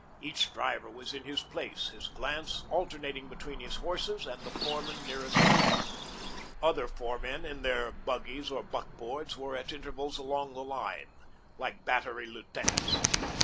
Each driver was in his place, his glance alternating between his horses and the foreman nearest at hand. Other foremen, in their buggies or buckboards, were at intervals along the line, like battery lieutenants.